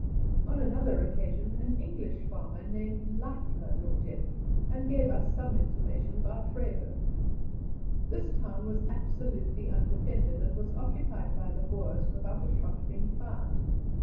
On another occasion an English farmer named Leipner looked in, and gave us some information about Vryburg. This town was absolutely undefended, and was occupied by the Boers without a shot being fired.